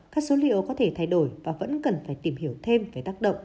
các số liệu có thể thay đổi và vẫn cần phải tìm hiểu thêm về tác động